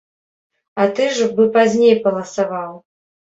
А ты ж бы пазней паласаваў.